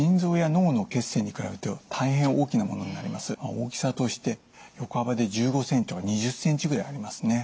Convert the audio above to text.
大きさとして横幅で１５センチから２０センチぐらいありますね。